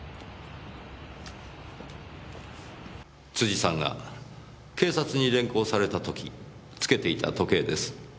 辻さんが警察に連行された時つけていた時計です。